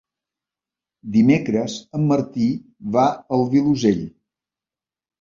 Dimecres en Martí va al Vilosell.